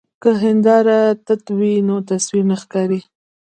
که هنداره تت وي نو تصویر نه ښکاري.